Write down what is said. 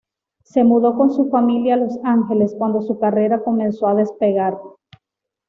Se mudó con su familia a Los Angeles cuando su carrera comenzó a despegar.